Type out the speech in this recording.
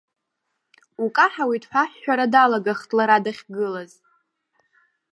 Укаҳауеит ҳәа аҳәҳәара далагахт лара дахьгылаз.